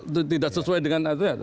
itu tidak sesuai dengan aturan